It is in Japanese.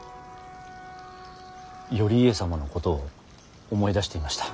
頼家様のことを思い出していました。